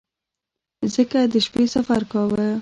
ځکه د شپې سفر کاوه.